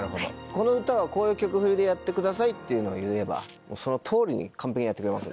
「この歌はこういう曲フリでやってください」って言えばその通りに完璧にやってくれます